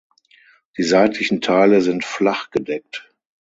Die seitlichen Teile sind flachgedeckt.